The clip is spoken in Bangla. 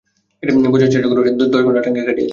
বোঝার চেষ্টা করো, ওর সাথে দশ ঘন্টা ট্রাঙ্কে কাটিয়েছি।